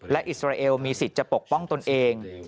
และอิสราเอลมีสิทธิ์จะปกป้องตนเอง